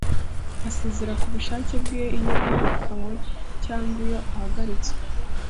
asezera kubushake bwe iyo yirukanwe cyangwa iyo ahagaritswe.